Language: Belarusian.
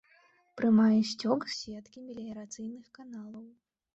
Прымае сцёк з сеткі меліярацыйных каналаў.